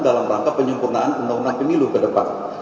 dalam rangka penyempurnaan undang undang pemilu ke depan